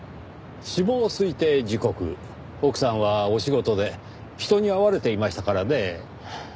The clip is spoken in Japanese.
死亡推定時刻奥さんはお仕事で人に会われていましたからねぇ。